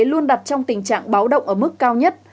luôn đặt trong tình trạng báo động ở mức cao nhất